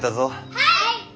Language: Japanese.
はい！